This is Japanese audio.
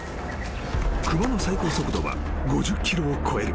［熊の最高速度は５０キロを超える］